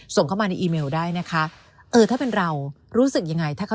ส่งเข้ามาในอีเมลได้นะคะ